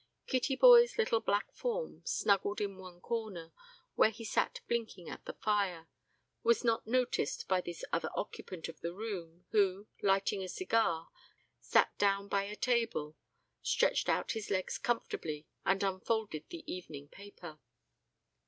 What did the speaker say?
Kittyboy's little black form, snuggled in one corner, where he sat blinking at the fire, was not noticed by this other occupant of the room, who, lighting a cigar, sat down by a table, stretched out his legs comfortably, and unfolded the evening paper.